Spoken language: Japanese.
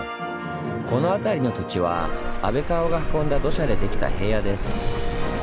この辺りの土地は安倍川が運んだ土砂でできた平野です。